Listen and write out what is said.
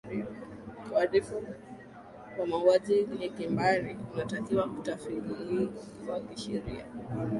uharifu wa mauaji ya kimbari unatakiwa kufatiliwa kisheria